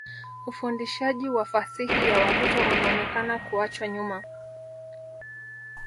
Ufundishaji wa fasihi ya watoto unaonekana kuachwa nyuma.